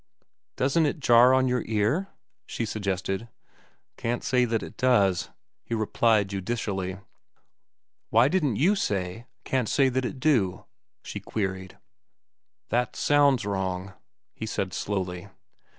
"Doesn't it jar on your ear?" she suggested. "Can't say that it does," he replied judicially. "Why didn't you say, 'Can't say that it do'?" she queried. "That sounds wrong," he said slowly.